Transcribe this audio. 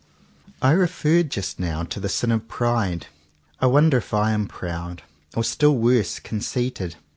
I referred just now to the sin of pride. I wonder if I am proud, or, still worse, con ceited?